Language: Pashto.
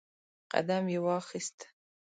قدم یې واخیست